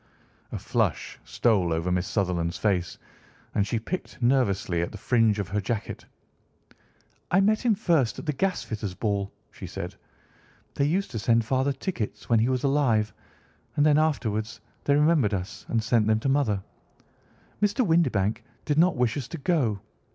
A flush stole over Miss Sutherland's face, and she picked nervously at the fringe of her jacket. "I met him first at the gasfitters' ball," she said. "They used to send father tickets when he was alive, and then afterwards they remembered us, and sent them to mother. Mr. Windibank did not wish us to go.